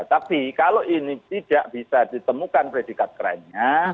tapi kalau ini tidak bisa ditemukan predikat kerennya